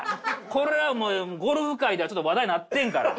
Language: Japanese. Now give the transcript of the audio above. これはもうゴルフ界ではちょっと話題になってんから。